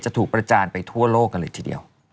ถูกประจานไปทั่วโลกกันเลยทีเดียว